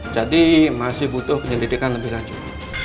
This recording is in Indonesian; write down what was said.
jadi masih butuh penyelidikan lebih lanjut